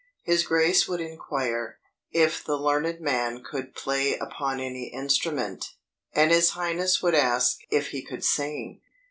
His grace would inquire, "if the learned man could play upon any instrument." And his highness would ask "if he could sing."